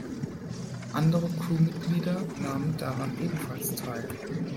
Andere Crewmitglieder nahmen daran ebenfalls teil.